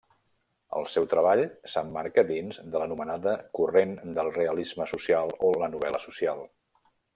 El seu treball s'emmarca dins de l'anomenada corrent del realisme social o la novel·la social.